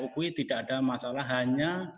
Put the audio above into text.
jokowi tidak ada masalah hanya